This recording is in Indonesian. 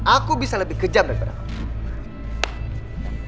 aku bisa lebih kejam daripada